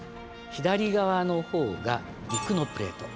左側のほうが陸のプレート。